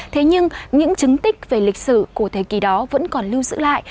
thế nhưng những chứng tích về lịch sử của thời kỳ đó vẫn còn lưu giữ lại